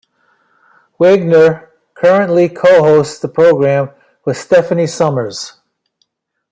Wegner currently co-hosts the program with Stephanie Summers.